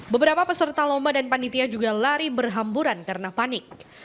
beberapa peserta lomba dan panitia juga lari berhamburan karena panik